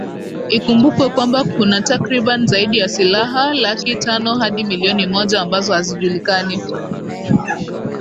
ikumbukwe kwamba kuna takriban zaidi ya silaha laki tano hadi million moja ambazo hazijulikani